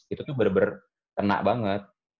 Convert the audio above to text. itu tuh bener bener kena banget